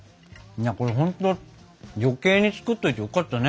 これほんと余計につくっておいてよかったね。